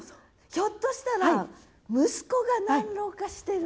ひょっとしたら息子が何浪かしてる？